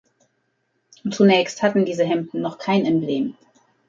Zunächst hatten diese Hemden noch kein Emblem.